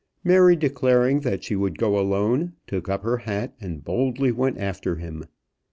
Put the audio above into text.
Mary, declaring that she would go alone, took up her hat and boldly went after him.